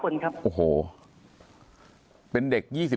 คนครับโอ้โหเป็นเด็ก๒๕